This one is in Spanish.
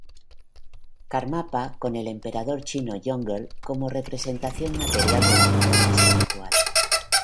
Karmapa por el emperador chino Yongle como representación material de la corona espiritual.